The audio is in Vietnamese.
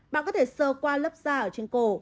bạn có thể sơ qua lớp da ở trên cổ